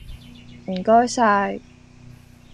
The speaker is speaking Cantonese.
唔該晒